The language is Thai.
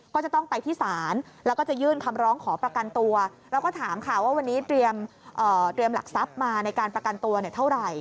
ก็จะต้องไปที่ศาลแล้วก็จะยื่นคำร้องขอประกันตัวเราก็ถามค่ะว่าวันนี้เตรียมหลักทรัพย์มาในการประกันตัวเนี่ยเท่าไหร่